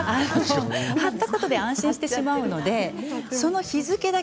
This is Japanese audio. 貼ったことで安心してしまうのでその日付だけ。